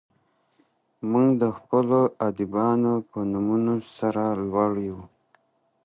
موږ د خپلو ادیبانو په نومونو سر لوړي یو.